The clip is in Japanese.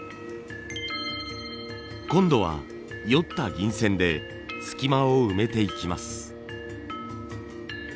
今度はよった銀線で隙間を埋めていきます。